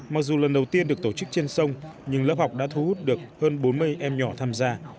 mặc dù lần đầu tiên được tổ chức trên sông nhưng lớp học đã thu hút được hơn bốn mươi em nhỏ tham gia